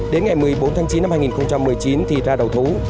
đến ngày một mươi bốn tháng chín năm hai nghìn một mươi chín thì ra đầu thú